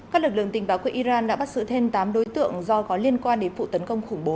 các lực lượng tình báo của iran đã bắt giữ thêm tám đối tượng do có liên quan đến vụ tấn công khủng bố